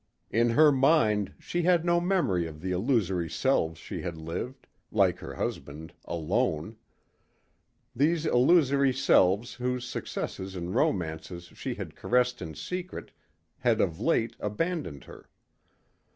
In her mind she had no memory of the illusory selves she had lived, like her husband, alone. These illusory selves whose successes and romances she had caressed in secret had of late abandoned her.